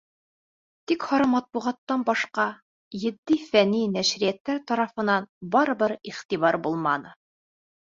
Тик һары матбуғаттан башҡа, етди фәнни нәшриәттәр тарафынан барыбер иғтибар булманы.